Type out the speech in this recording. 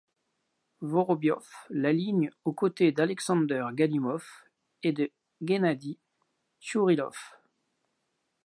Vorobiov l'aligne aux côtés d'Aleksandr Galimov et de Guennadi Tchourilov.